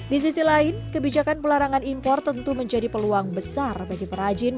di sisi lain kebijakan pelarangan impor tentu menjadi peluang besar bagi perajin